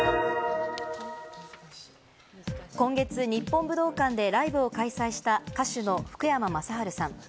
今月、日本武道館でライブを開催した歌手の福山雅治さん。